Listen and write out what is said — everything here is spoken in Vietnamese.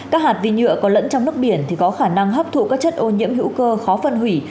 các hạt vi nhựa có lẫn trong nước biển có khả năng hấp thụ các chất ô nhiễm hữu cơ khó phân hủy